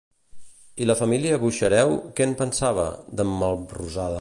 I la família Buxareu què en pensava, d'en Melrosada?